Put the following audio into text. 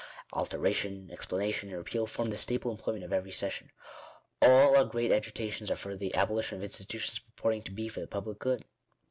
Alteration, explanation, and repeal, form the staple employ ment of every session. All our great agitations are for the abolition of institutions purporting to be for the public good.